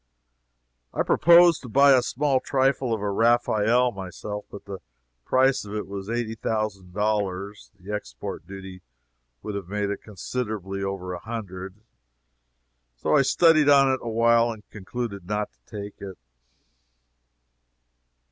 I proposed to buy a small trifle of a Raphael, myself, but the price of it was eighty thousand dollars, the export duty would have made it considerably over a hundred, and so I studied on it awhile and concluded not to take it.